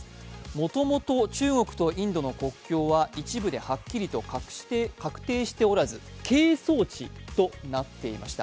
もともと中国とインドの国境は一部ではっきりと確定しておらず係争地となっていました。